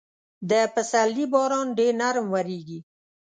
د پسرلي باران ډېر نرم اورېږي.